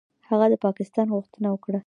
هغه د پاکستان غوښتنه وکړه.